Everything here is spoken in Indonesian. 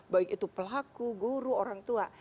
baik itu pelaku guru orang tua